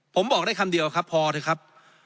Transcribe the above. ผมบอกได้คำเดียวครับพอเถอะครับ